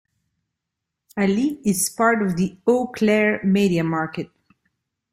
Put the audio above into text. Hallie is part of the Eau Claire media market.